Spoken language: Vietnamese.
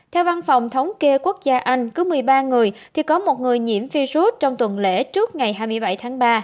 theo văn phòng thống kê quốc gia anh cứ một mươi ba người thì có một người nhiễm virus trong tuần lễ trước ngày hai mươi bảy tháng ba